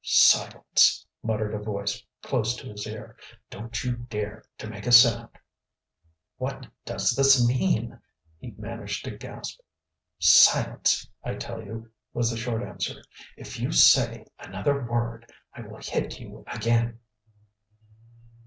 "Silence!" muttered a voice close to his ear. "Don't you dare to make a sound!" "What does this mean " he managed to gasp. "Silence, I tell you!" was the short answer. "If you say another word, I will hit you again!"